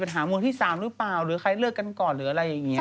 หรือเปล่าหรือใครเลิกกันก่อนหรืออะไรอย่างนี้